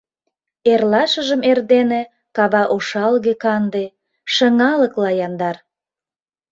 Эрлашыжым эрдене кава ошалге-канде, шыҥалыкла яндар.